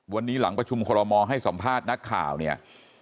วันนี้หลังประชุมคอรมอลให้สัมภาษณ์นักข่าวเนี่ย